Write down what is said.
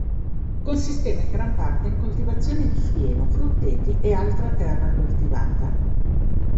Consisteva in gran parte in coltivazioni di fieno, frutteti e altra terra coltivata.